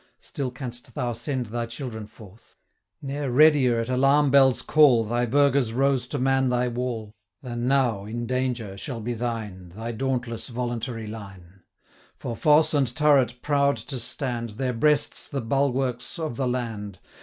95 Still canst thou send thy children forth. Ne'er readier at alarm bell's call Thy burghers rose to man thy wall, Than now, in danger, shall be thine, Thy dauntless voluntary line; 100 For fosse and turret proud to stand, Their breasts the bulwarks of the land.